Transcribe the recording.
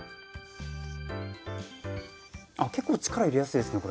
あ結構力入れやすいですねこれ。